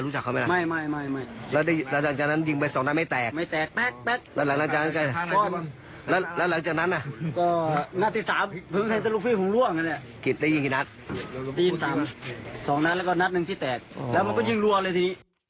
แล้วมันก็ยิ่งรวมเลยทีนี้